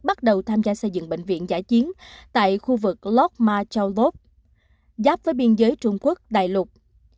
bắt đầu tham gia xây dựng bệnh viện giải chiến tại khu vực lokma chau lop giáp với biên giới trung quốc đài lục